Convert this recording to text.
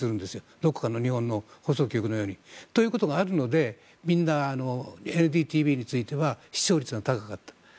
どこかの日本の放送局のように。ということがあるのでみんな、ＮＤＴＶについては視聴率が高かった。